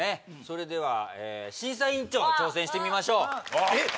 それではえっ審査員長挑戦してみましょうえっ！？